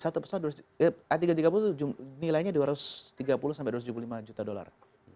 satu pesawat a tiga ratus tiga puluh itu nilainya dua ratus tiga puluh sampai dua ratus tujuh puluh lima juta dolar